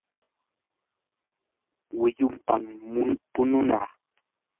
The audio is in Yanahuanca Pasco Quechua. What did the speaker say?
wiyupam pununaa.